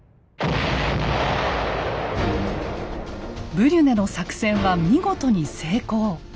ブリュネの作戦は見事に成功。